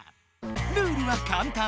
ルールはかんたん。